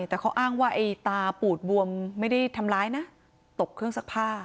แต่เขาอ้างว่าไอ้ตาปูดบวมไม่ได้ทำร้ายนะตกเครื่องซักผ้า